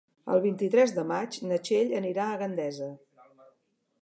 El vint-i-tres de maig na Txell anirà a Gandesa.